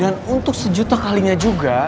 dan untuk sejuta kalinya juga